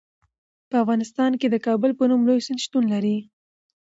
په افغانستان کې د کابل په نوم لوی سیند شتون لري.